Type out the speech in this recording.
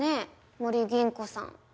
森銀子さん。